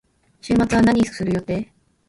週末は何をする予定？